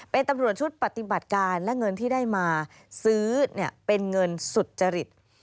เป็นตำรวจชุดปฏิบัติการและเงินที่ได้มาซื้อเป็นเงินสุจริต